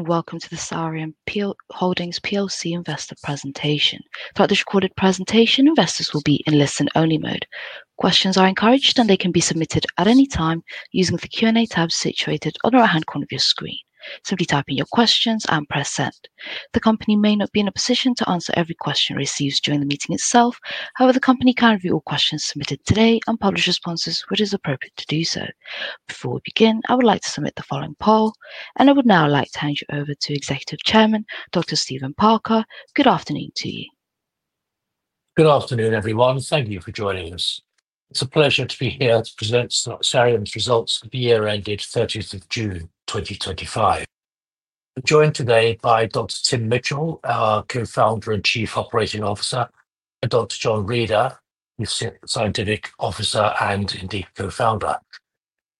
Welcome to the Sareum Holdings PLC investor presentation. For this recorded presentation, investors will be in listen-only mode. Questions are encouraged, and they can be submitted at any time using the Q&A tab situated on the right-hand corner of your screen. Simply type in your questions and press send. The company may not be in a position to answer every question received during the meeting itself. However, the company can review all questions submitted today and publish responses when it is appropriate to do so. Before we begin, I would like to submit the following poll, and I would now like to hand you over to Executive Chairman, Dr. Stephen Parker. Good afternoon to you. Good afternoon, everyone. Thank you for joining us. It's a pleasure to be here to present Sareum's results for the year ended 30th of June 2025. I'm joined today by Dr. Tim Mitchell, our Co-founder and Chief Operating Officer, and Dr. John Reader, who is a Scientific Officer and indeed Co-founder.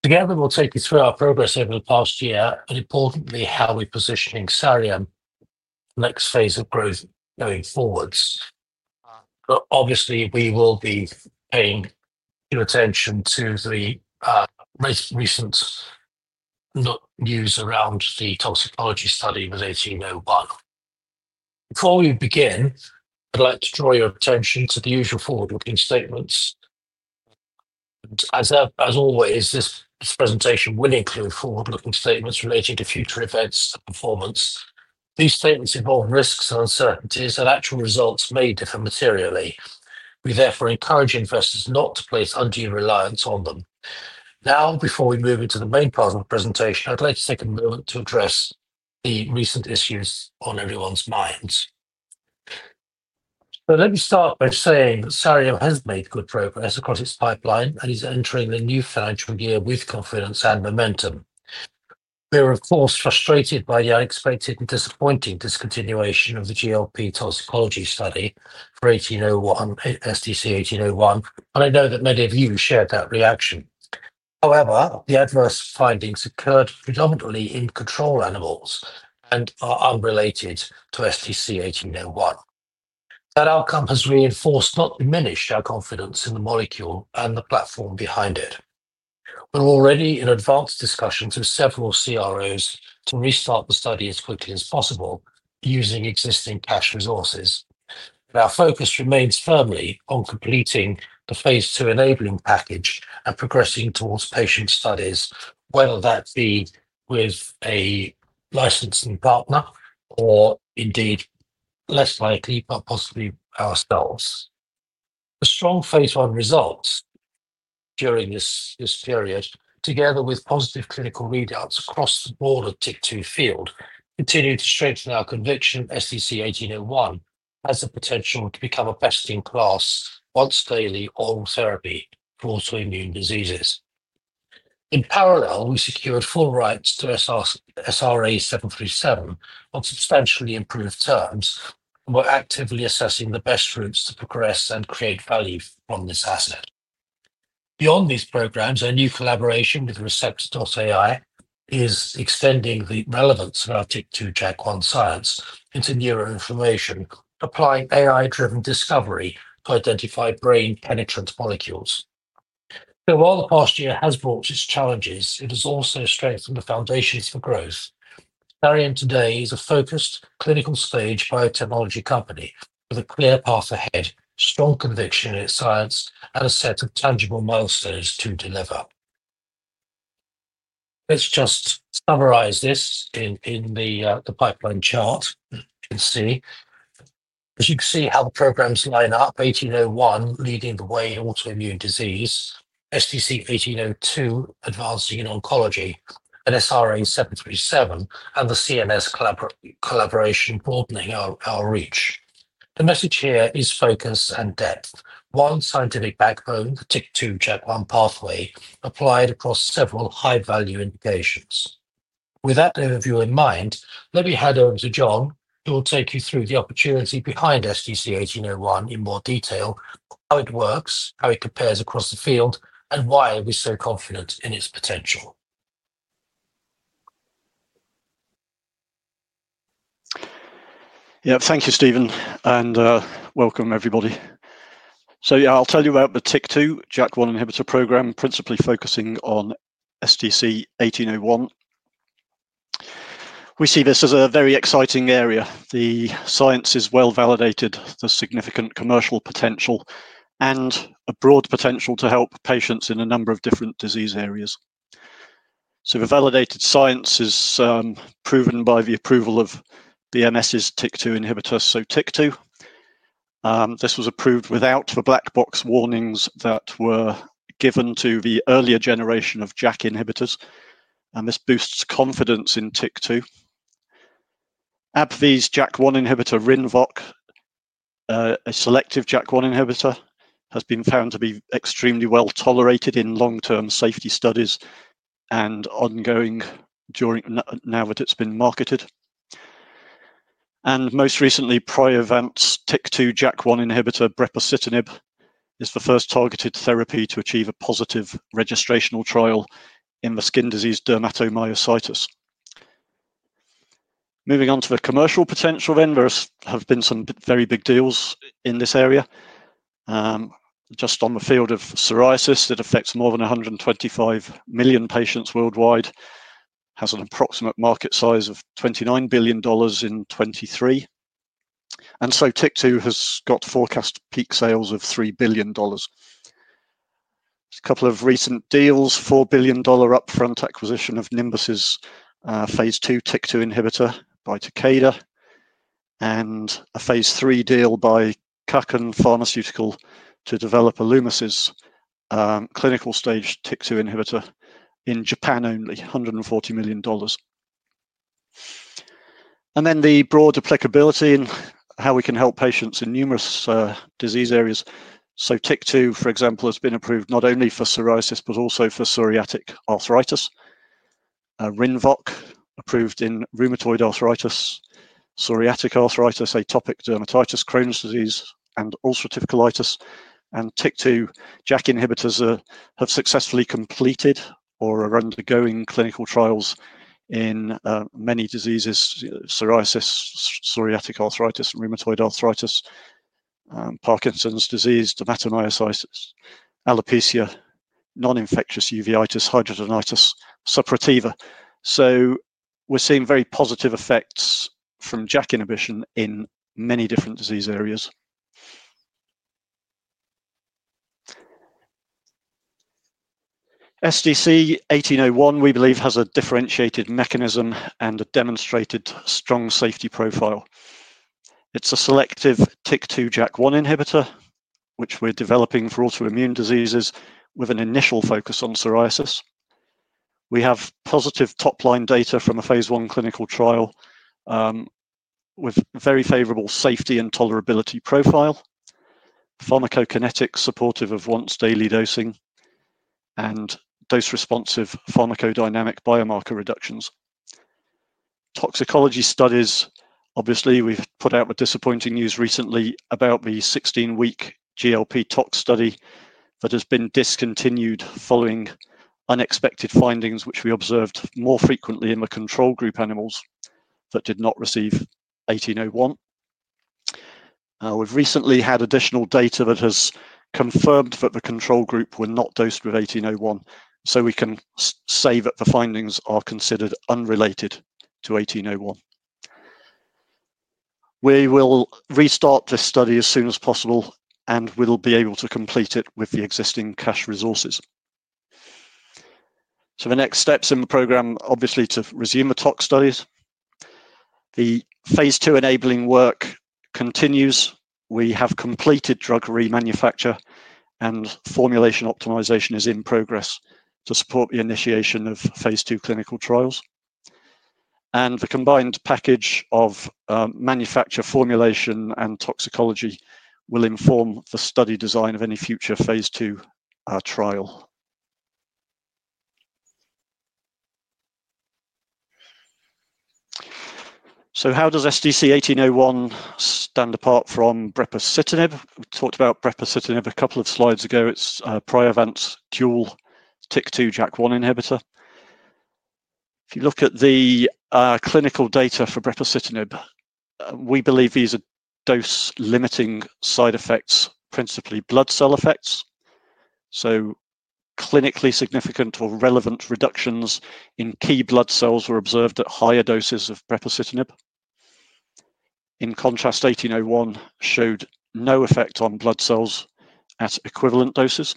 Together, we'll take you through our progress over the past year and, importantly, how we're positioning Sareum for the next phase of growth going forwards. Obviously, we will be paying your attention to the recent news around the toxicology study related to STC-1801. Before we begin, I'd like to draw your attention to the usual forward-looking statements. As always, this presentation will include forward-looking statements relating to future events and performance. These statements involve risks and uncertainties, and actual results may differ materially. We therefore encourage investors not to place undue reliance on them. Now, before we move into the main part of the presentation, I'd like to take a moment to address the recent issues on everyone's minds. Let me start by saying that Sareum has made good progress across its pipeline and is entering the new financial year with confidence and momentum. We are, of course, frustrated by the unexpected and disappointing discontinuation of the GLP toxicology study for STC-1801, and I know that many of you shared that reaction. However, the adverse findings occurred predominantly in control animals and are unrelated to STC-1801. That outcome has reinforced, not diminished, our confidence in the molecule and the platform behind it. We're already in advanced discussions with several CROs to restart the study as quickly as possible using existing cash resources. Our focus remains firmly on completing the phase II enabling package and progressing towards patient studies, whether that be with a licensing partner or, indeed, less likely, but possibly ourselves. The strong phase I results during this period, together with positive clinical readouts across the broader TYK2 field, continue to strengthen our conviction that STC-1801 has the potential to become a best-in-class once-daily oral therapy for autoimmune diseases. In parallel, we secured full rights to SRA737 on substantially improved terms, and we're actively assessing the best routes to progress and create value from this asset. Beyond these programs, our new collaboration with Receptor.ai is extending the relevance of our TYK2/JAK1 science into neuroinflammation, applying AI-driven discovery to identify brain-penetrant molecules. While the past year has brought its challenges, it has also strengthened the foundations for growth. Sareum today is a focused clinical-stage biotechnology company with a clear path ahead, strong conviction in its science, and a set of tangible milestones to deliver. Let's just summarize this in the pipeline chart. As you can see, how the programs line up, STC-1801 leading the way in autoimmune disease, STC-1802 advancing in oncology, and SRA737 and the CNS collaboration broadening our reach. The message here is focus and depth. One scientific backbone, the TYK2/JAK1 pathway, applied across several high-value indications. With that overview in mind, let me hand over to John, who will take you through the opportunity behind STC-1801 in more detail, how it works, how it compares across the field, and why we are so confident in its potential. Thank you, Stephen, and welcome, everybody. I'll tell you about the TYK2/JAK1 inhibitor program, principally focusing on STC-1801. We see this as a very exciting area. The science is well validated, the significant commercial potential, and a broad potential to help patients in a number of different disease areas. The validated science is proven by the approval of the MS's TYK2 inhibitor, so TYK2. This was approved without the black box warnings that were given to the earlier generation of JAK inhibitors, and this boosts confidence in TYK2. AbbVie's JAK1 inhibitor Rinvoq, a selective JAK1 inhibitor, has been found to be extremely well tolerated in long-term safety studies and ongoing now that it's been marketed. Most recently, Priovant's TYK2/JAK1 inhibitor Brepocitinib is the first targeted therapy to achieve a positive registrational trial in the skin disease dermatomyositis. Moving on to the commercial potential, there have been some very big deals in this area. Just on the field of psoriasis, it affects more than 125 million patients worldwide, has an approximate market size of $29 billion in 2023. TYK2 has got forecast peak sales of $3 billion. A couple of recent deals: $4 billion upfront acquisition of Nimbus's phase II TYK2 inhibitor by Takeda, and a phase III deal by Kaken Pharmaceutical to develop Illumis's clinical stage TYK2 inhibitor in Japan only, $140 million. The broad applicability in how we can help patients in numerous disease areas is also significant. TYK2, for example, has been approved not only for psoriasis but also for psoriatic arthritis. Rinvoq approved in rheumatoid arthritis, psoriatic arthritis, atopic dermatitis, Crohn's disease, and ulcerative colitis. TYK2/JAK inhibitors have successfully completed or are undergoing clinical trials in many diseases: psoriasis, psoriatic arthritis, rheumatoid arthritis, Parkinson's disease, dermatomyositis, alopecia, non-infectious uveitis, hidradenitis, and suppurativa. We are seeing very positive effects from JAK inhibition in many different disease areas. STC-1801, we believe, has a differentiated mechanism and a demonstrated strong safety profile. It's a selective TYK2/JAK1 inhibitor, which we're developing for autoimmune diseases with an initial focus on psoriasis. We have positive top-line data from a phase I clinical trial with very favorable safety and tolerability profile, pharmacokinetics supportive of once-daily dosing, and dose-responsive pharmacodynamic biomarker reductions. Toxicology studies, obviously, we've put out disappointing news recently about the 16-week GLP toxicology study that has been discontinued following unexpected findings, which we observed more frequently in the control group animals that did not receive STC-1801. We've recently had additional data that has confirmed that the control group were not dosed with STC-1801, so we can say that the findings are considered unrelated to STC-1801. We will restart this study as soon as possible, and we'll be able to complete it with the existing cash resources. The next steps in the program are obviously to resume the toxicology studies. The phase II enabling work continues. We have completed drug remanufacture, and formulation optimization is in progress to support the initiation of phase II clinical trials. The combined package of manufacture, formulation, and toxicology will inform the study design of any future phase II trial. How does STC-1801 stand apart from Brepocitinib? We talked about Brepocitinib a couple of slides ago. It's Priovant's dual TYK2/JAK1 inhibitor. If you look at the clinical data for Brepocitinib, we believe these are dose-limiting side effects, principally blood cell effects. Clinically significant or relevant reductions in key blood cells were observed at higher doses of Brepocitinib. In contrast, STC-1801 showed no effect on blood cells at equivalent doses.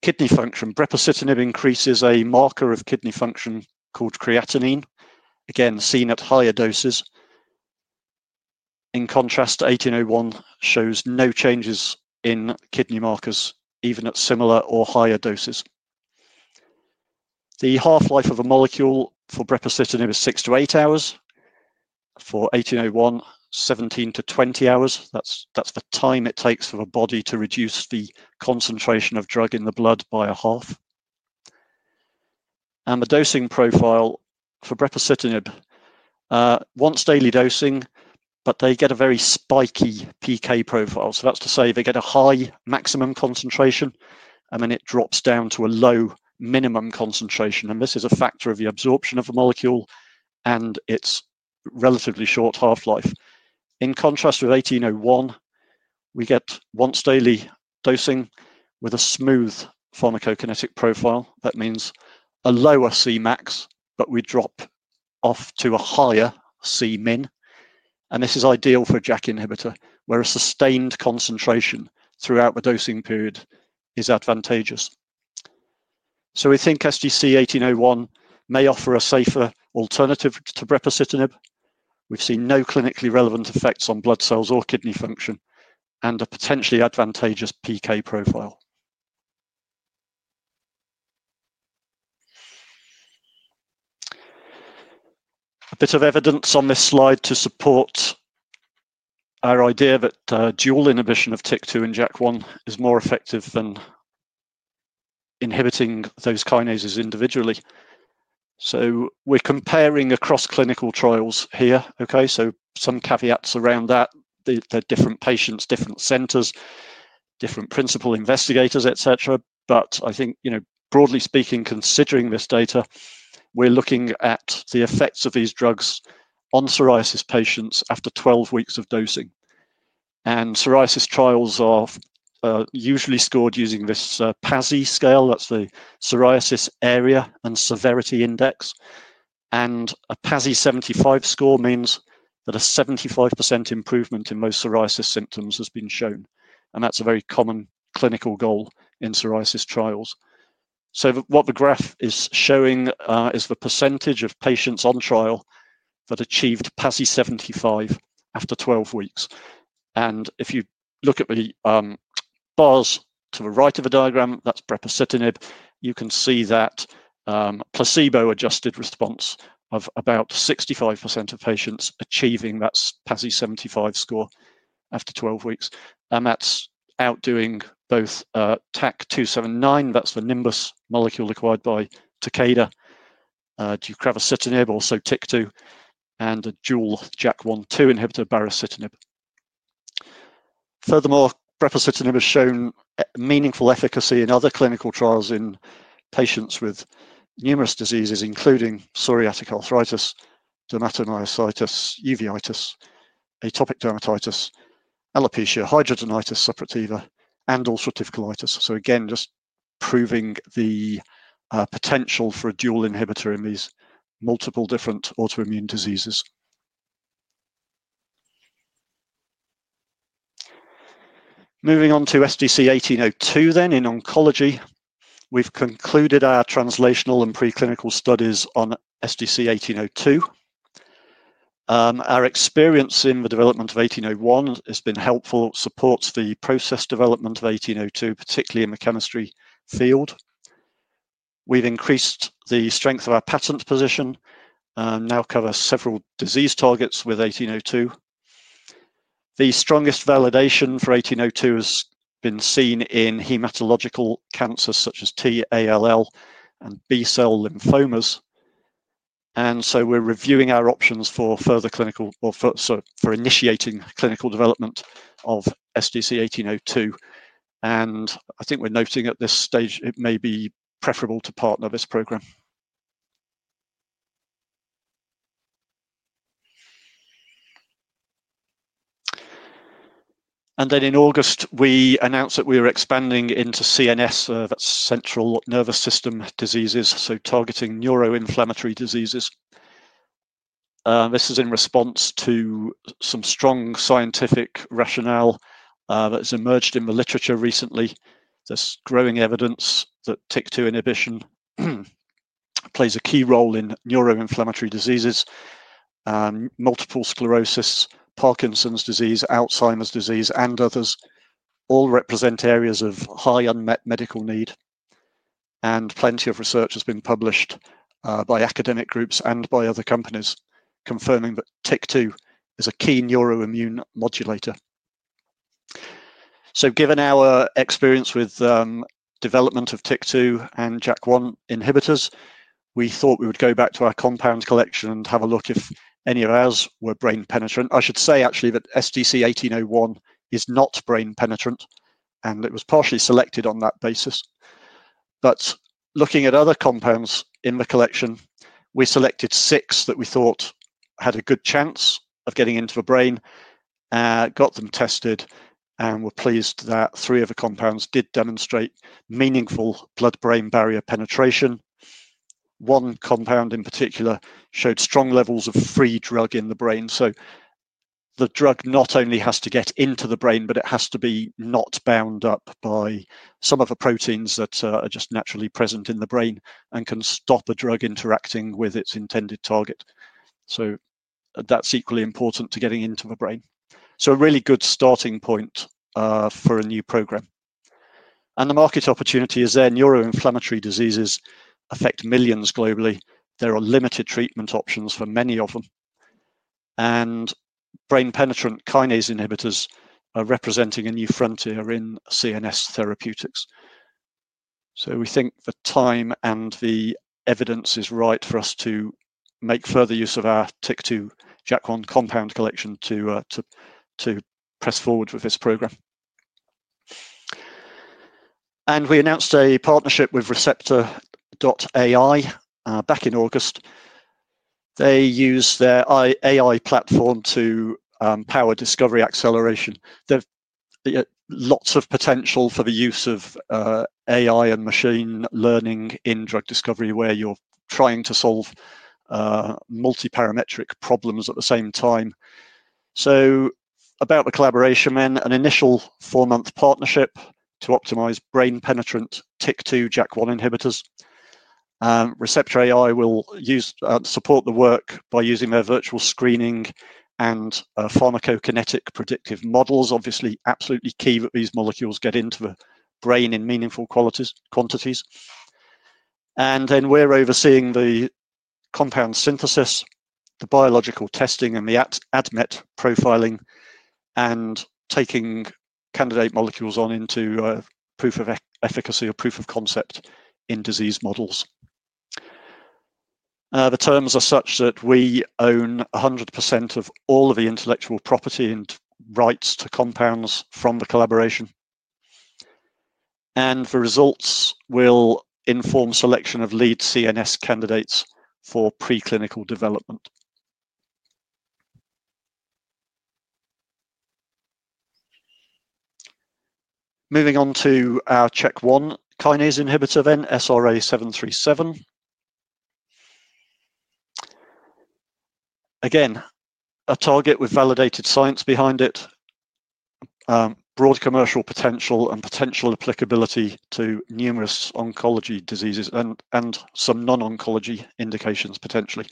Kidney function, Brepocitinib increases a marker of kidney function called creatinine, again seen at higher doses. In contrast, STC-1801 shows no changes in kidney markers, even at similar or higher doses. The half-life of a molecule for Brepocitinib is 6 hours-8 hours. For STC-1801, 17 hours-20 hours. That's the time it takes for a body to reduce the concentration of drug in the blood by a half. The dosing profile for Brepocitinib is once-daily dosing, but they get a very spiky PK profile. That's to say they get a high maximum concentration, and then it drops down to a low minimum concentration. This is a factor of the absorption of the molecule and its relatively short half-life. In contrast, with STC-1801, we get once-daily dosing with a smooth pharmacokinetic profile. That means a lower Cmax, but we drop off to a higher Cmin. This is ideal for a JAK inhibitor, where a sustained concentration throughout the dosing period is advantageous. We think STC-1801 may offer a safer alternative to Brepocitinib. We've seen no clinically relevant effects on blood cells or kidney function and a potentially advantageous PK profile. A bit of evidence on this slide to support our idea that dual inhibition of TYK2 and JAK1 is more effective than inhibiting those kinases individually. We're comparing across clinical trials here. There are some caveats around that. They're different patients, different centers, different principal investigators, et cetera. Broadly speaking, considering this data, we're looking at the effects of these drugs on psoriasis patients after 12 weeks of dosing. Psoriasis trials are usually scored using this PASI scale. That's the Psoriasis Area and Severity Index. A PASI-75 score means that a 75% improvement in most psoriasis symptoms has been shown. That's a very common clinical goal in psoriasis trials. The graph is showing the percentage of patients on trial that achieved PASI-75 after 12 weeks. If you look at the bars to the right of the diagram, that's Brepocitinib. You can see that placebo-adjusted response of about 65% of patients achieving that PASI-75 score after 12 weeks. That's outdoing both TAK-279, that's the Nimbus molecule acquired by Takeda, Ducravacitinib, also TYK2, and a dual JAK1/2 inhibitor, Baricitinib. Furthermore, Brepocitinib has shown meaningful efficacy in other clinical trials in patients with numerous diseases, including psoriatic arthritis, dermatomyositis, uveitis, atopic dermatitis, alopecia, hidradenitis suppurativa, and ulcerative colitis. This proves the potential for a dual inhibitor in these multiple different autoimmune diseases. Moving on to STC-1802 in oncology, we've concluded our translational and preclinical studies on STC-1802. Our experience in the development of STC-1801 has been helpful and supports the process development of STC-1802, particularly in the chemistry field. We've increased the strength of our patent position and now cover several disease targets with STC-1802. The strongest validation for STC-1802 has been seen in hematological cancers such as T-ALL and B-cell lymphomas. We're reviewing our options for further clinical or for initiating clinical development of STC-1802. I think we're noting at this stage it may be preferable to partner this program. In August, we announced that we were expanding into CNS, that's central nervous system diseases, targeting neuroinflammatory diseases. This is in response to some strong scientific rationale that has emerged in the literature recently. There's growing evidence that TYK2 inhibition plays a key role in neuroinflammatory diseases. Multiple sclerosis, Parkinson's disease, Alzheimer's disease, and others all represent areas of high unmet medical need. Plenty of research has been published by academic groups and by other companies confirming that TYK2 is a key neuroimmune modulator. Given our experience with the development of TYK2 and JAK1 inhibitors, we thought we would go back to our compound collection and have a look if any of ours were brain penetrant. I should say actually that STC-1801 is not brain penetrant, and it was partially selected on that basis. Looking at other compounds in the collection, we selected six that we thought had a good chance of getting into the brain, got them tested, and were pleased that three of the compounds did demonstrate meaningful blood-brain barrier penetration. One compound in particular showed strong levels of free drug in the brain. The drug not only has to get into the brain, but it has to be not bound up by some of the proteins that are just naturally present in the brain and can stop the drug interacting with its intended target. That's equally important to getting into the brain. A really good starting point for a new program. The market opportunity is there. Neuroinflammatory diseases affect millions globally. There are limited treatment options for many of them. Brain penetrant kinase inhibitors are representing a new frontier in CNS therapeutics. We think the time and the evidence are right for us to make further use of our TYK2 JAK1 compound collection to press forward with this program. We announced a partnership with Receptor.ai back in August. They use their AI platform to power discovery acceleration. There's lots of potential for the use of AI and machine learning in drug discovery where you're trying to solve multi-parametric problems at the same time. About the collaboration, then an initial four-month partnership to optimize brain penetrant TYK2 JAK1 inhibitors. Receptor.ai will support the work by using their virtual screening and pharmacokinetic predictive models. Obviously, absolutely key that these molecules get into the brain in meaningful quantities. We're overseeing the compound synthesis, the biological testing, and the ADMET profiling, and taking candidate molecules on into proof of efficacy or proof of concept in disease models. The terms are such that we own 100% of all of the intellectual property and rights to compounds from the collaboration. The results will inform selection of lead CNS candidates for preclinical development. Moving on to our CHK1 kinase inhibitor then, SRA737. Again, a target with validated science behind it, broad commercial potential, and potential applicability to numerous oncology diseases and some non-oncology indications potentially.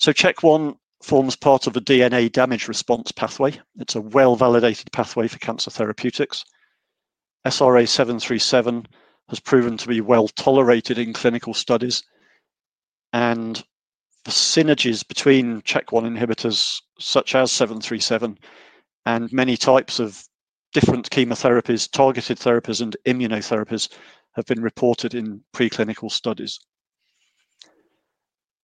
CHK1 forms part of the DNA damage response pathway. It's a well-validated pathway for cancer therapeutics. SRA737 has proven to be well tolerated in clinical studies. The synergies between CHK1 inhibitors such as SRA737 and many types of different chemotherapies, targeted therapies, and immunotherapies have been reported in preclinical studies.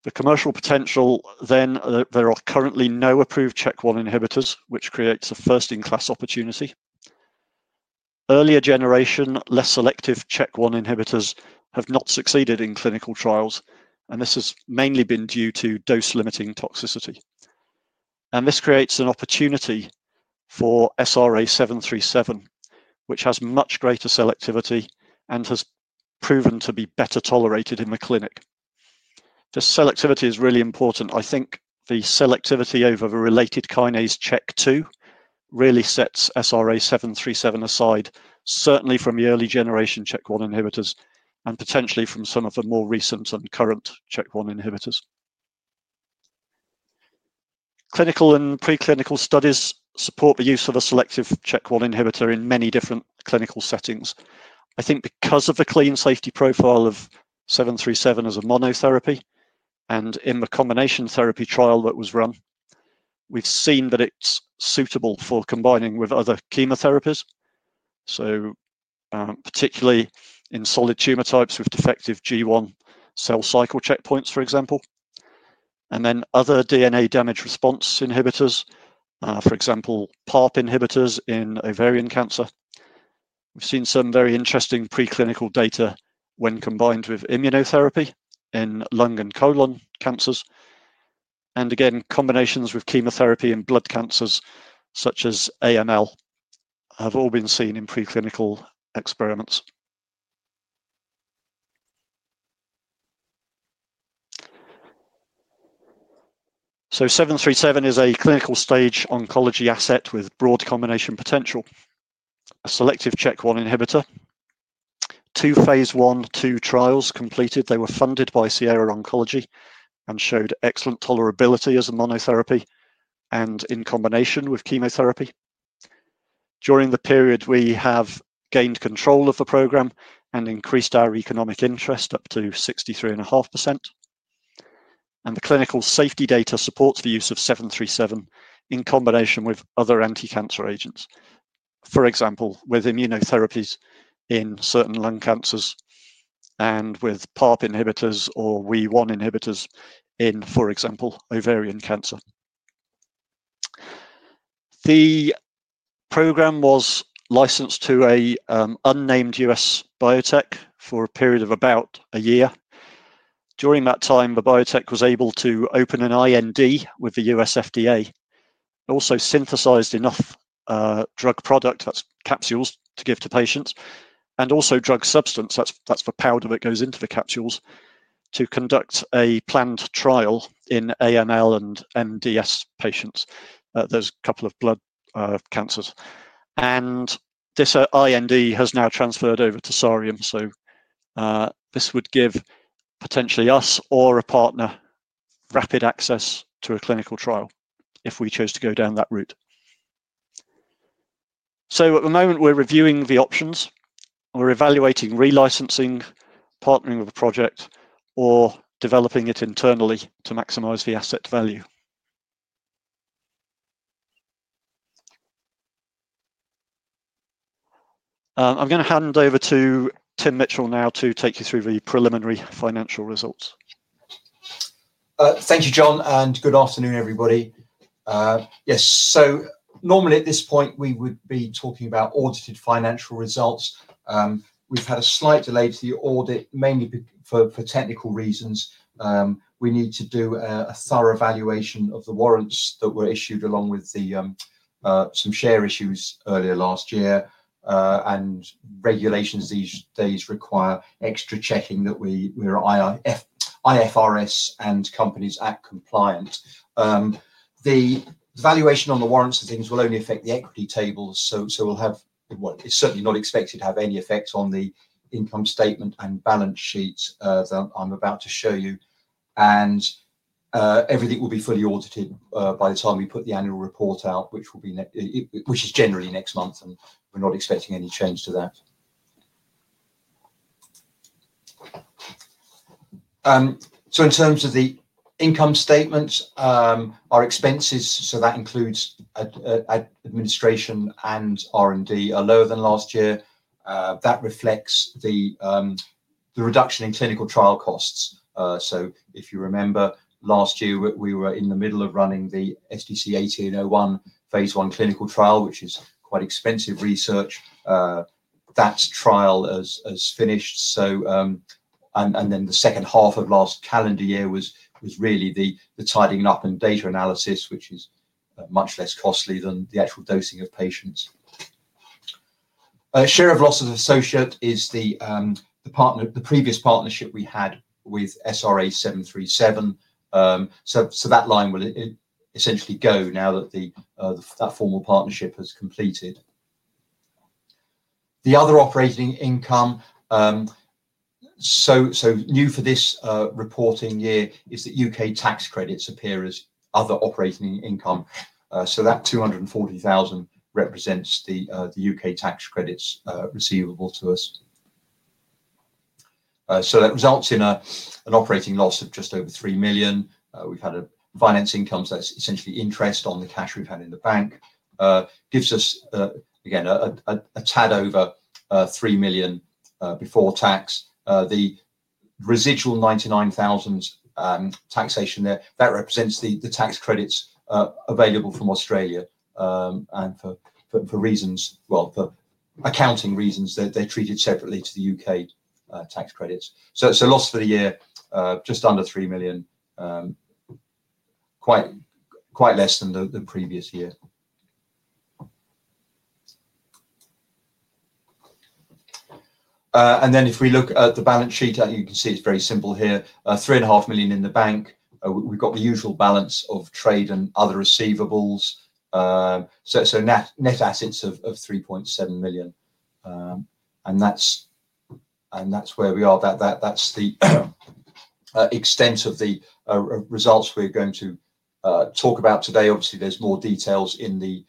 The commercial potential then, there are currently no approved CHK1 inhibitors, which creates a first-in-class opportunity. Earlier generation, less selective CHK1 inhibitors have not succeeded in clinical trials, and this has mainly been due to dose-limiting toxicity. This creates an opportunity for SRA737, which has much greater selectivity and has proven to be better tolerated in the clinic. The selectivity is really important. I think the selectivity over the related kinase CHK2 really sets SRA737 aside, certainly from the early generation CHK1 inhibitors and potentially from some of the more recent and current CHK1 inhibitors. Clinical and preclinical studies support the use of a selective CHK1 inhibitor in many different clinical settings. I think because of the clean safety profile of SRA737 as a monotherapy and in the combination therapy trial that was run, we've seen that it's suitable for combining with other chemotherapies, particularly in solid tumor types with defective G1 cell cycle checkpoints, for example. Other DNA damage response inhibitors, for example, PARP inhibitors in ovarian cancer. We've seen some very interesting preclinical data when combined with immunotherapy in lung and colon cancers. Combinations with chemotherapy in blood cancers such as AML have all been seen in preclinical experiments. SRA737 is a clinical stage oncology asset with broad combination potential. A selective CHK1 inhibitor, two phase I/2 trials completed. They were funded by Sierra Oncology and showed excellent tolerability as a monotherapy and in combination with chemotherapy. During the period, we have gained control of the program and increased our economic interest up to 63.5%. The clinical safety data supports the use of SRA737 in combination with other anti-cancer agents, for example, with immunotherapies in certain lung cancers and with PARP inhibitors or WEE1 inhibitors in, for example, ovarian cancer. The program was licensed to an unnamed U.S. biotech for a period of about a year. During that time, the biotech was able to open an IND with the U.S. FDA, also synthesized enough drug product, that's capsules, to give to patients, and also drug substance, that's the powder that goes into the capsules, to conduct a planned trial in AML and MDS patients, those couple of blood cancers. This IND has now transferred over to Sareum, which would give potentially us or a partner rapid access to a clinical trial if we chose to go down that route. At the moment, we're reviewing the options. We're evaluating re-licensing, partnering with a project, or developing it internally to maximize the asset value. I'm going to hand over to Dr. Tim Mitchell now to take you through the preliminary financial results. Thank you, John, and good afternoon, everybody. Normally at this point, we would be talking about audited financial results. We've had a slight delay to the audit, mainly for technical reasons. We need to do a thorough evaluation of the warrants that were issued along with some share issues earlier last year. Regulations these days require extra checking that we're IFRS and Companies Act compliant. The evaluation on the warrants and things will only affect the equity tables, so it's certainly not expected to have any effect on the income statement and balance sheets that I'm about to show you. Everything will be fully audited by the time we put the annual report out, which is generally next month, and we're not expecting any change to that. In terms of the income statements, our expenses, so that includes administration and R&D, are lower than last year. That reflects the reduction in clinical trial costs. If you remember last year, we were in the middle of running the STC-1801 phase I clinical trial, which is quite expensive research. That trial has finished. The second half of last calendar year was really the tidying up and data analysis, which is much less costly than the actual dosing of patients. Share of losses associate is the previous partnership we had with SRA737. That line will essentially go now that that formal partnership has completed. The other operating income, new for this reporting year, is that UK tax credits appear as other operating income. That £240,000 represents the UK tax credits receivable to us. That results in an operating loss of just over £3 million. We've had a finance income, so that's essentially interest on the cash we've had in the bank. Gives us, again, a tad over £3 million before tax. The residual £99,000 taxation there represents the tax credits available from Australia. For accounting reasons, they're treated separately to the UK tax credits. It's a loss for the year, just under £3 million, quite less than the previous year. If we look at the balance sheet, I think you can see it's very simple here. £3.5 million in the bank. We've got the usual balance of trade and other receivables. Net assets of £3.7 million. That's where we are. That's the extent of the results we're going to talk about today. Obviously, there's more details in the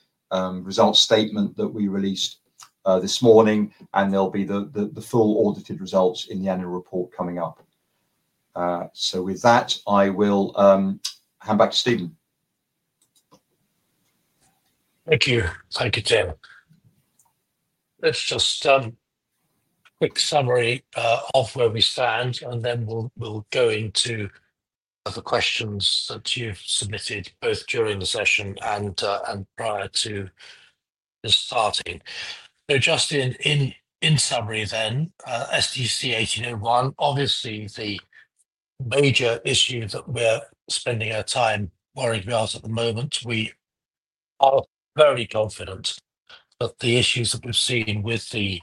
results statement that we released this morning, and there'll be the full audited results in the annual report coming up. With that, I will hand back to Stephen. Thank you. Thank you, Tim. Let's just do a quick summary of where we stand, and then we'll go into the questions that you've submitted both during the session and prior to this starting. Just in summary then, STC-1801, obviously the major issue that we're spending our time worrying about at the moment, we are very confident that the issues that we've seen with the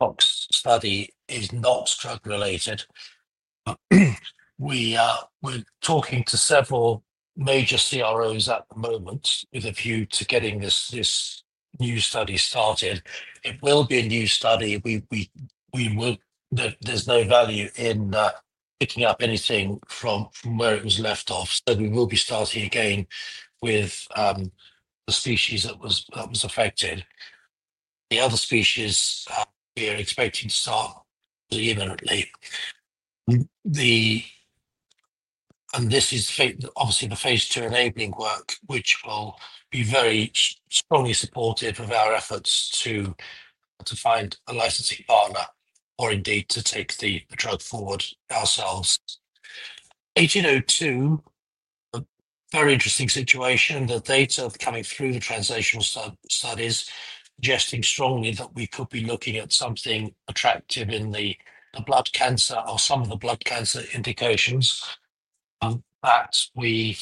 tox study are not drug-related. We're talking to several major CROs at the moment with a view to getting this new study started. It will be a new study. There's no value in picking up anything from where it was left off. We will be starting again with the species that was affected. The other species we are expecting to start imminently. This is obviously the phase II enabling work, which will be very strongly supportive of our efforts to find a licensing partner or indeed to take the drug forward ourselves. STC-1802, a very interesting situation. The data coming through the translational studies suggesting strongly that we could be looking at something attractive in the blood cancer or some of the blood cancer indications. That we,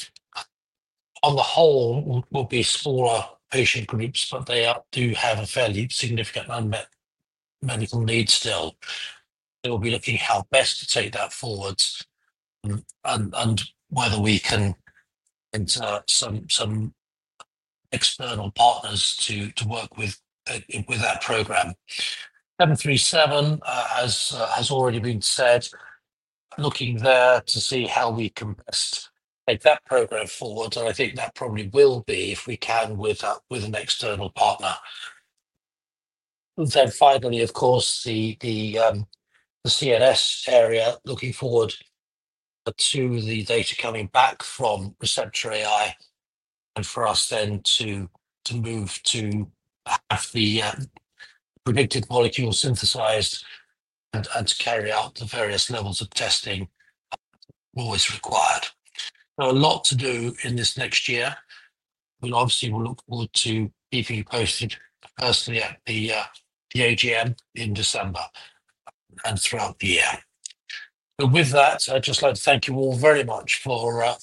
on the whole, will be for patient groups, but they do have a fairly significant unmet medical need still. We'll be looking at how best to take that forward and whether we can enter some external partners to work with that program. SRA737, as has already been said, looking there to see how we can best take that program forward. I think that probably will be if we can with an external partner. Finally, of course, the CNS area, looking forward to the data coming back from Receptor.ai and for us then to move to have the predicted molecule synthesized and to carry out the various levels of testing always required. There's a lot to do in this next year. Obviously, we'll look forward to keeping you posted personally at the AGM in December and throughout the year. With that, I'd just like to thank you all very much for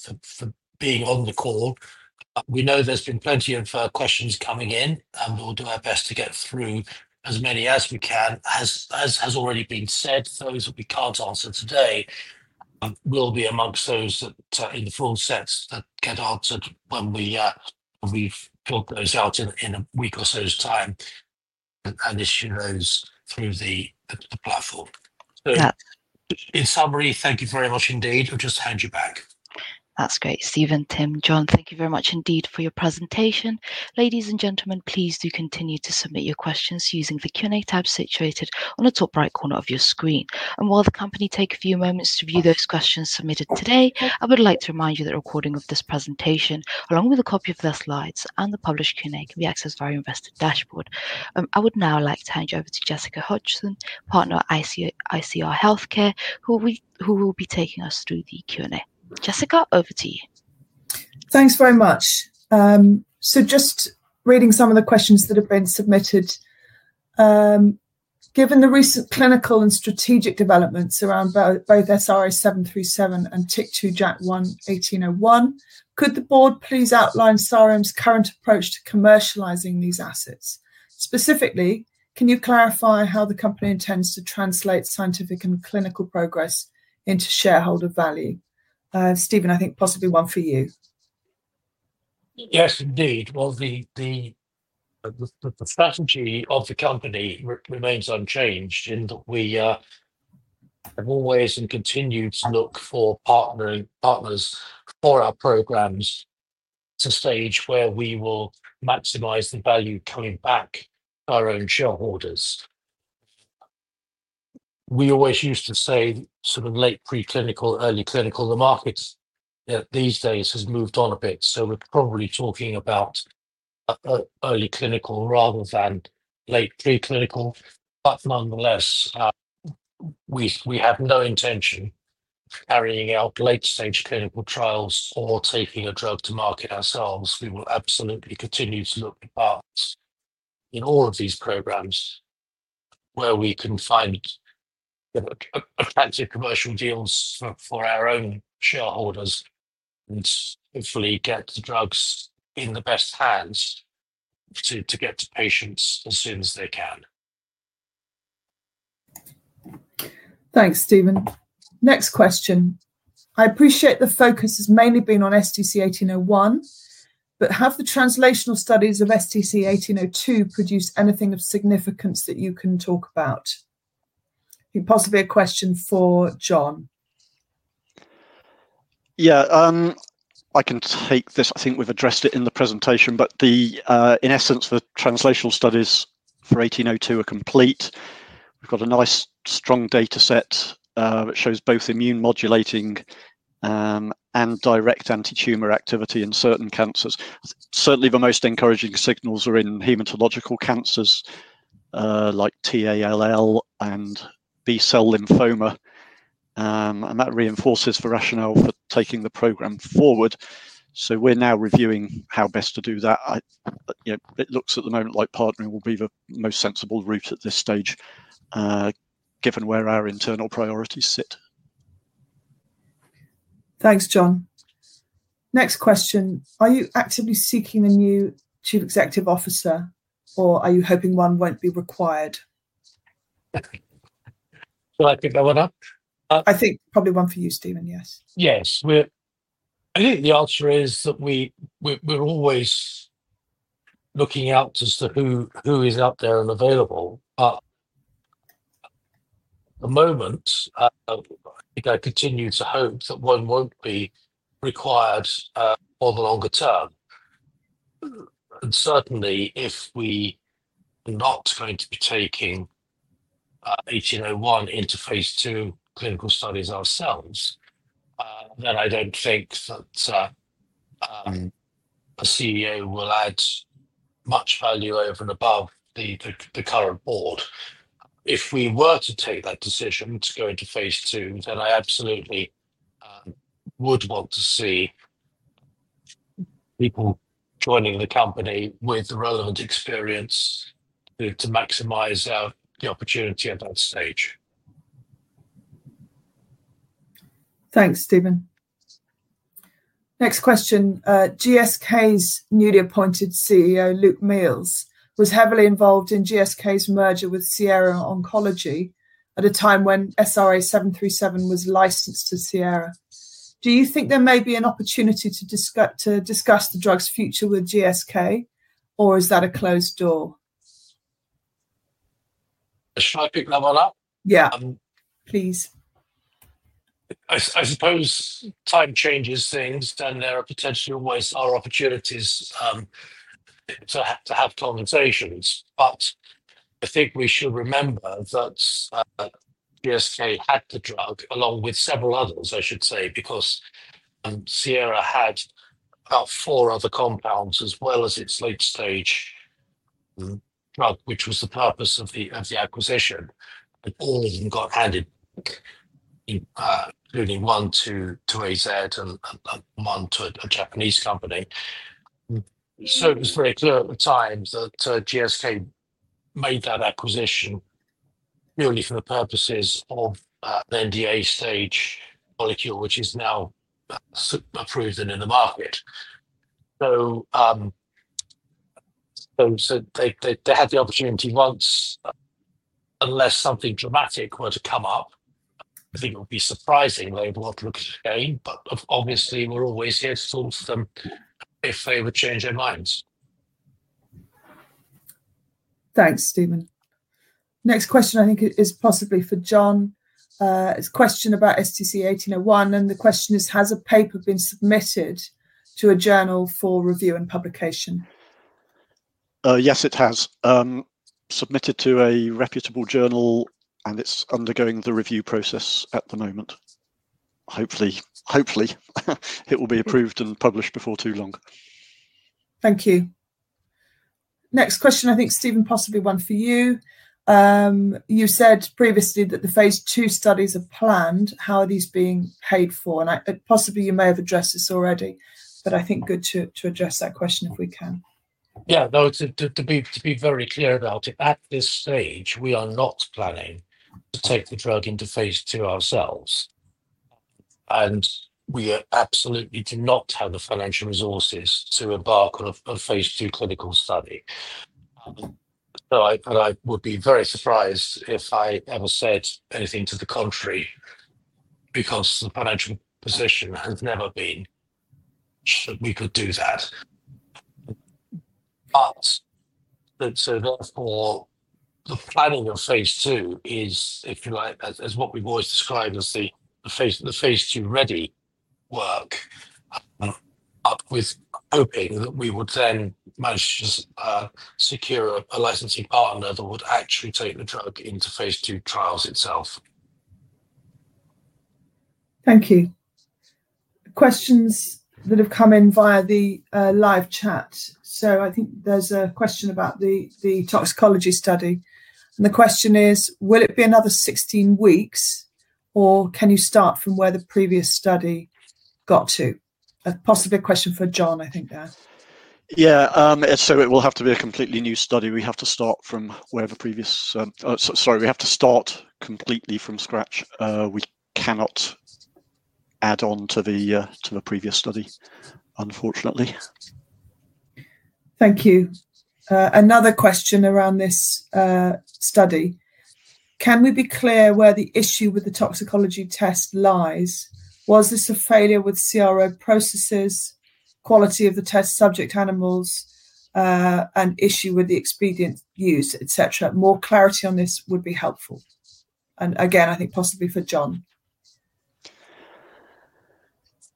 being on the call. We know there's been plenty of questions coming in, and we'll do our best to get through as many as we can. As has already been said, those that we can't answer today will be amongst those that in the form sets that get answered when we've filled those out in a week or so's time and issue those through the platform. In summary, thank you very much indeed. I'll just hand you back. That's great, Stephen, Tim, John. Thank you very much indeed for your presentation. Ladies and gentlemen, please do continue to submit your questions using the Q&A tab situated on the top right corner of your screen. While the company takes a few moments to view those questions submitted today, I would like to remind you that a recording of this presentation, along with a copy of the slides and the published Q&A, can be accessed via our investor dashboard. I would now like to hand you over to Jessica Hodgson, Partner at ICR Healthcare, who will be taking us through the Q&A. Jessica, over to you. Thanks very much. Just reading some of the questions that have been submitted. Given the recent clinical and strategic developments around both SRA737 and TYK2/JAK1 1801, could the board please outline Sareum's current approach to commercializing these assets? Specifically, can you clarify how the company intends to translate scientific and clinical progress into shareholder value? Stephen, I think possibly one for you. Yes, indeed. The strategy of the company remains unchanged in that we have always and continue to look for partners for our programs to a stage where we will maximize the value coming back to our own shareholders. We always used to say sort of late preclinical, early clinical. The market these days has moved on a bit, so we're probably talking about early clinical rather than late preclinical. Nonetheless, we have no intention of carrying out late-stage clinical trials or taking a drug to market ourselves. We will absolutely continue to look for partners in all of these programs where we can find attractive commercial deals for our own shareholders and hopefully get the drugs in the best hands to get to patients as soon as they can. Thanks, Stephen. Next question. I appreciate the focus has mainly been on STC-1801, but have the translational studies of STC-1802 produced anything of significance that you can talk about? I think possibly a question for John. Yeah, I can take this. I think we've addressed it in the presentation, but in essence, the translational studies for STC-1802 are complete. We've got a nice strong data set that shows both immune modulating and direct anti-tumor activity in certain cancers. Certainly, the most encouraging signals are in hematological cancers like T-ALL and B-cell lymphoma. That reinforces the rationale for taking the program forward. We're now reviewing how best to do that. It looks at the moment like partnering will be the most sensible route at this stage, given where our internal priorities sit. Thanks, John. Next question. Are you actively seeking a new Chief Executive Officer, or are you hoping one won't be required? Sorry, could you pull that one up? I think probably one for you, Stephen, yes. Yes. I think the answer is that we're always looking out as to who is out there and available. At the moment, I think I continue to hope that one won't be required for the longer term. Certainly, if we are not going to be taking STC-1801 into phase two clinical studies ourselves, then I don't think that a CEO will add much value over and above the current board. If we were to take that decision to go into phase two, then I absolutely would want to see people joining the company with the relevant experience to maximize the opportunity at that stage. Thanks, Stephen. Next question. GSK's newly appointed CEO, Luke Mills, was heavily involved in GSK's merger with Sierra Oncology at a time when SRA737 was licensed to Sierra. Do you think there may be an opportunity to discuss the drug's future with GSK, or is that a closed door? Shall I pick that one up? Yeah, please. I suppose time changes things, and there are potentially always opportunities to have conversations. I think we should remember that GSK had the drug, along with several others, I should say, because Sierra had about four other compounds as well as its late-stage drug, which was the purpose of the acquisition. All of them got added, including one to AZ and one to a Japanese company. It was very clear at the time that GSK made that acquisition purely for the purposes of the NDA stage molecule, which is now approved and in the market. They had the opportunity once, unless something dramatic were to come up. I think it would be surprising they would want to look at it again. Obviously, we're always here to talk to them if they would change their minds. Thanks, Stephen. Next question, I think, is possibly for John. It's a question about STC-1801. The question is, has a paper been submitted to a journal for review and publication? Yes, it has. Submitted to a reputable journal, and it's undergoing the review process at the moment. Hopefully, it will be approved and published before too long. Thank you. Next question, I think, Stephen, possibly one for you. You said previously that the phase II studies are planned. How are these being paid for? You may have addressed this already, but I think good to address that question if we can. Yeah, no, to be very clear about it, at this stage, we are not planning to take the drug into phase II ourselves. We absolutely do not have the financial resources to embark on a phase II clinical study. I would be very surprised if I ever said anything to the contrary because the financial position has never been that we could do that. Therefore, the planning of phase II is, if you like, as what we've always described as the phase II ready work, with hoping that we would then manage to secure a licensing partner that would actually take the drug into phase II trials itself. Thank you. Questions that have come in via the live chat. I think there's a question about the toxicology study. The question is, will it be another 16 weeks, or can you start from where the previous study got to? Possibly a question for John, I think, there. Yeah, it will have to be a completely new study. We have to start completely from scratch. We cannot add on to the previous study, unfortunately. Thank you. Another question around this study. Can we be clear where the issue with the toxicology test lies? Was this a failure with CRO processes, quality of the test subject animals, an issue with the expedient use, et cetera? More clarity on this would be helpful. I think possibly for John.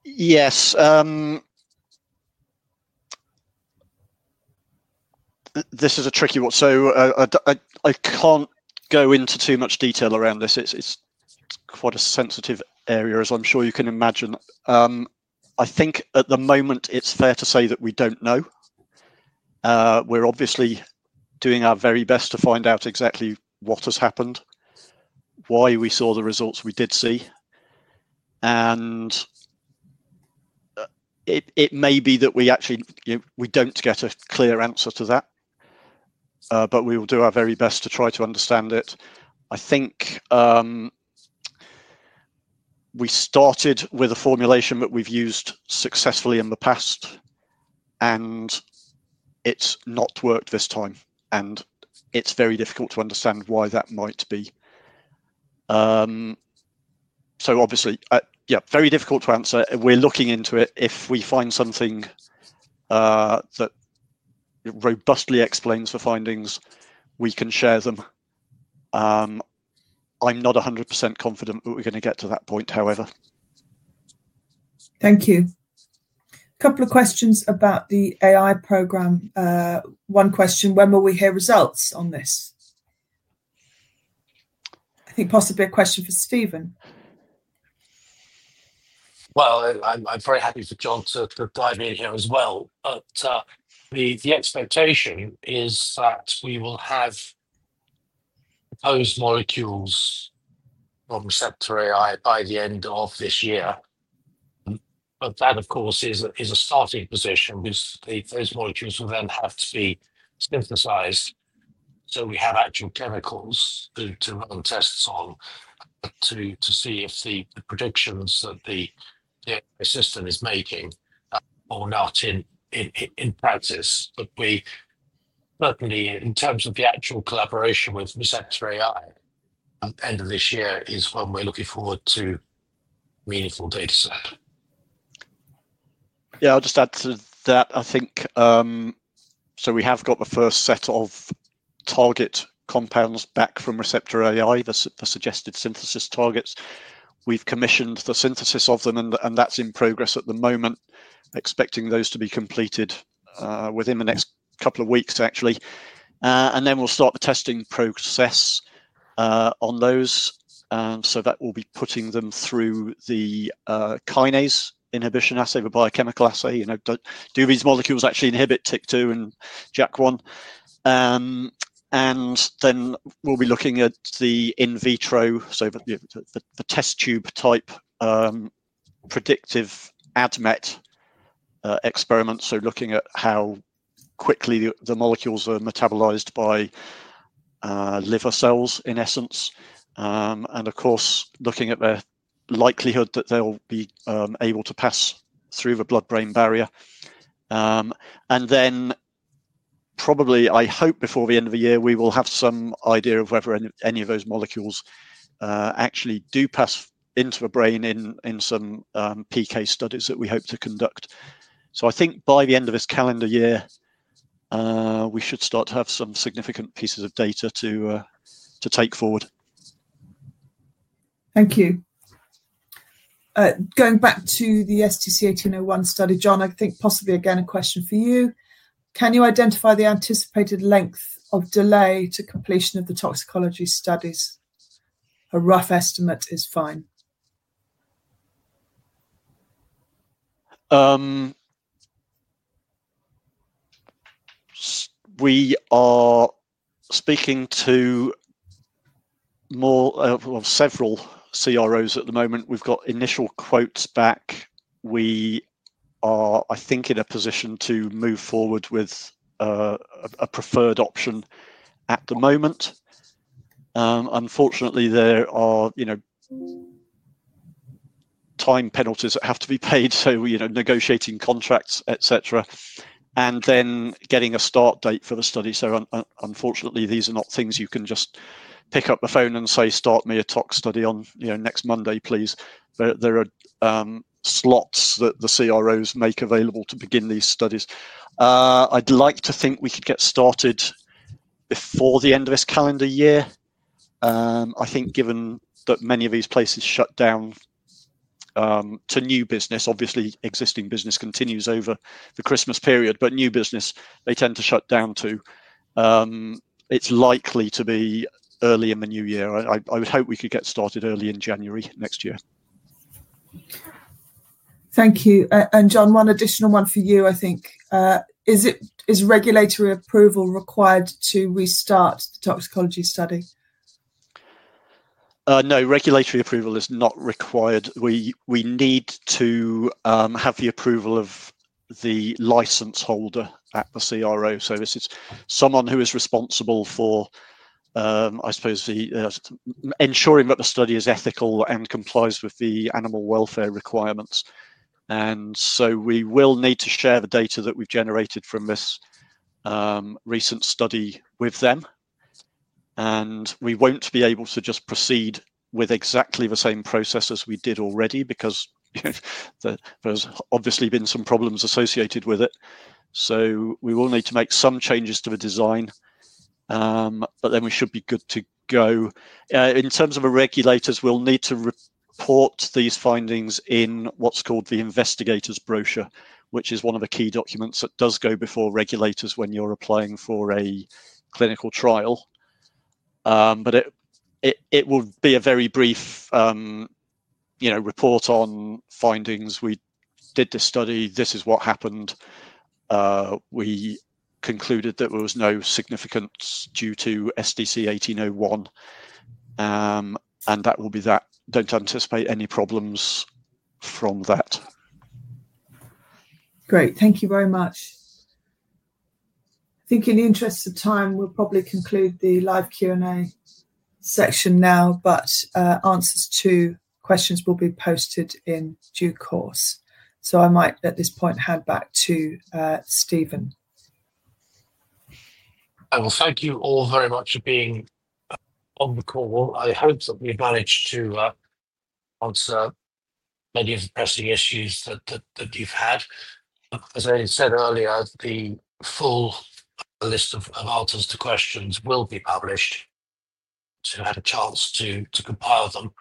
Yes. This is a tricky one. I can't go into too much detail around this. It's quite a sensitive area, as I'm sure you can imagine. I think at the moment, it's fair to say that we don't know. We're obviously doing our very best to find out exactly what has happened, why we saw the results we did see. It may be that we actually don't get a clear answer to that, but we will do our very best to try to understand it. I think we started with a formulation that we've used successfully in the past, and it's not worked this time. It's very difficult to understand why that might be. Obviously, yeah, very difficult to answer. We're looking into it. If we find something that robustly explains the findings, we can share them. I'm not 100% confident that we're going to get to that point, however. Thank you. A couple of questions about the AI program. One question, when will we hear results on this? I think possibly a question for Stephen. I am very happy for John to dive in here as well. The expectation is that we will have proposed molecules from Receptor.ai by the end of this year. That, of course, is a starting position because those molecules will then have to be synthesized so we have actual chemicals to run tests on to see if the predictions that the AI system is making are enough in practice. We certainly, in terms of the actual collaboration with Receptor.ai, at the end of this year is when we're looking forward to meaningful dataset. Yeah, I'll just add to that. I think we have got the first set of target compounds back from Receptor.ai, the suggested synthesis targets. We've commissioned the synthesis of them, and that's in progress at the moment, expecting those to be completed within the next couple of weeks, actually. We'll start the testing process on those. That will be putting them through the kinase inhibition assay, the biochemical assay. Do these molecules actually inhibit TYK2 and JAK1? We'll be looking at the in vitro, so the test tube type predictive ADMET experiments, looking at how quickly the molecules are metabolized by liver cells, in essence. Of course, looking at the likelihood that they'll be able to pass through the blood-brain barrier. Probably, I hope before the end of the year, we will have some idea of whether any of those molecules actually do pass into the brain in some PK studies that we hope to conduct. I think by the end of this calendar year, we should start to have some significant pieces of data to take forward. Thank you. Going back to the STC-1801 study, John, I think possibly again a question for you. Can you identify the anticipated length of delay to completion of the toxicology studies? A rough estimate is fine. We are speaking to more of several CROs at the moment. We've got initial quotes back. We are, I think, in a position to move forward with a preferred option at the moment. Unfortunately, there are time penalties that have to be paid, negotiating contracts, et cetera, and then getting a start date for the study. Unfortunately, these are not things you can just pick up the phone and say, "Start me a tox study on next Monday, please." There are slots that the CROs make available to begin these studies. I'd like to think we could get started before the end of this calendar year. I think given that many of these places shut down to new business, obviously, existing business continues over the Christmas period, but new business, they tend to shut down too. It's likely to be early in the new year. I would hope we could get started early in January next year. Thank you. John, one additional one for you, I think. Is regulatory approval required to restart the toxicology study? No, regulatory approval is not required. We need to have the approval of the license holder at the CRO. This is someone who is responsible for, I suppose, ensuring that the study is ethical and complies with the animal welfare requirements. We will need to share the data that we've generated from this recent study with them. We won't be able to just proceed with exactly the same process as we did already because there's obviously been some problems associated with it. We will need to make some changes to the design, but then we should be good to go. In terms of the regulators, we'll need to report these findings in what's called the investigator's brochure, which is one of the key documents that does go before regulators when you're applying for a clinical trial. It will be a very brief report on findings. We did the study. This is what happened. We concluded that there was no significance due to STC-1801. That will be that. Don't anticipate any problems from that. Great. Thank you very much. I think in the interest of time, we'll probably conclude the live Q&A section now, but answers to questions will be posted in due course. I might at this point hand back to Stephen. Thank you all very much for being on the call. I hope that we've managed to answer many of the pressing issues that you've had. As I said earlier, the full list of answers to questions will be published. You'll have a chance to compile them,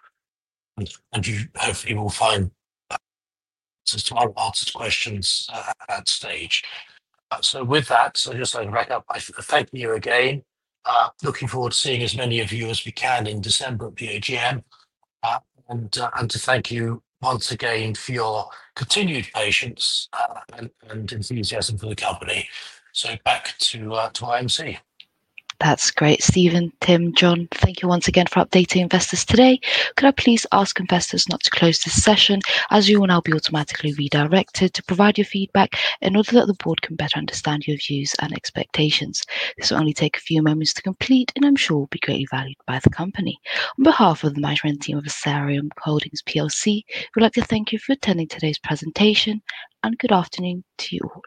and you hopefully will find answers to other questions at that stage. With that, I'd just like to wrap up by thanking you again. Looking forward to seeing as many of you as we can in December at the AGM, and to thank you once again for your continued patience and enthusiasm for the company. Back to YMC. That's great, Stephen, Tim, John. Thank you once again for updating investors today. Could I please ask investors not to close this session? As you will now be automatically redirected to provide your feedback in order that the board can better understand your views and expectations. This will only take a few moments to complete, and I'm sure it will be greatly valued by the company. On behalf of the management team of Sareum Holdings PLC, we'd like to thank you for attending today's presentation, and good afternoon to you all.